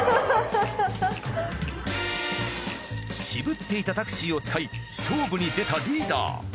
渋っていたタクシーを使い勝負に出たリーダー。